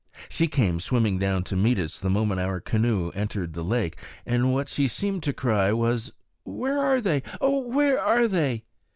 She came swimming down to meet us the moment our canoe entered the lake; and what she seemed to cry was, "Where are they? O where are they?"